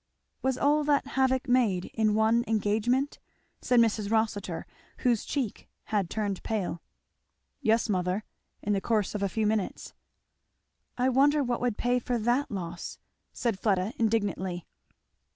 "Was all that havoc made in one engagement?" said Mrs. Rossitur, whose cheek had turned pale. "Yes, mother in the course of a few minutes." "I wonder what would pay for that loss!" said Fleda indignantly.